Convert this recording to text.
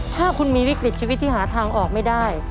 ถ้าคุณมีวิกฤตชีวิตที่หาทางออกไม่ได้